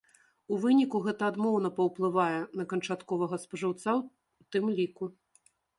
У выніку гэта адмоўна паўплывае на канчатковага спажыўца ў тым ліку.